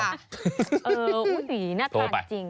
โอ้โหน่ากล้าจริงโทรไป